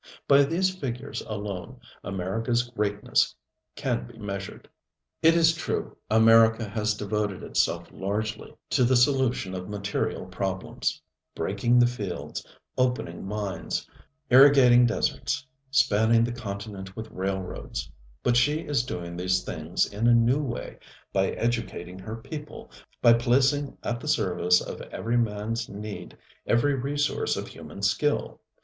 By these figures alone AmericaŌĆÖs greatness can be measured. It is true, America has devoted herself largely to the solution of material problems breaking the fields, opening mines, irrigating deserts, spanning the continent with railroads; but she is doing these things in a new way, by educating her people, by placing at the service of every manŌĆÖs need every resource of human skill.